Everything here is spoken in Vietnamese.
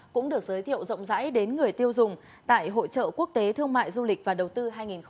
cũng được giới thiệu rộng rãi đến người tiêu dùng tại hội trợ quốc tế thương mại du lịch và đầu tư hai nghìn hai mươi bốn